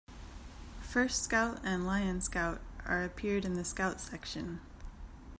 First Scout and Lion Scout are appeared in the Scout Section.